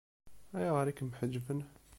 Ayɣer i kem-ḥeǧben?